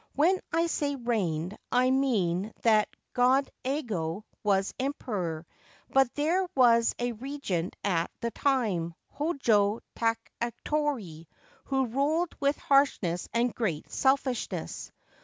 When I say 'reigned/ I mean that Godaigo was Emperor ; but there was a Regent at the time, Hojo Takatoki, who ruled with harshness and great selfishness.